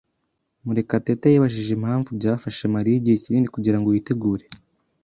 Murekatete yibajije impamvu byafashe Mariya igihe kinini kugirango yitegure.